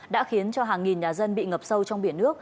đã khiến cho hàng nghìn nhà dân bị ngập sâu